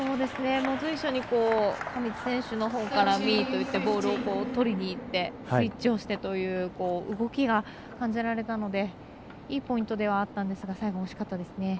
随所に上地選手のほうからミートにいってボールを取りにいってスイッチをして感じられたのでいいポイントではあったんですが最後惜しかったですね。